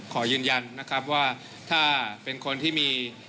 ขอยืนยันนะครับว่าถ้าเป็นคนที่มี